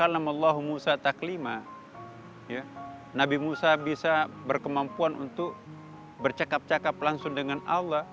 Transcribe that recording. nabi musa bisa berkemampuan untuk bercakap cakap langsung dengan allah